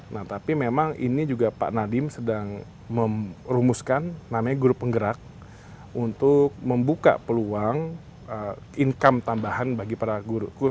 nah tapi memang ini juga pak nadiem sedang merumuskan namanya guru penggerak untuk membuka peluang income tambahan bagi para guru